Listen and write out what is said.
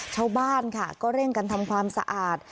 ชาวบ้านค่ะก็เร่งกันทำความสะอาด